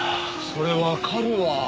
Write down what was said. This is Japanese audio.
それわかるわ。